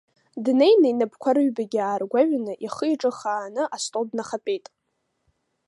Днеины, инапқәа рыҩбагьы ааргәаҩаны ихы-иҿы хааны астол днахатәеит.